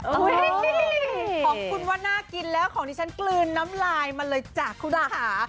ของคุณว่าน่ากินแล้วของที่ฉันกลืนน้ำลายมาเลยจ้ะคุณค่ะ